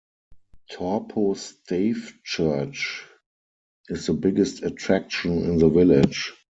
Torpo stave church is the biggest attraction in the village.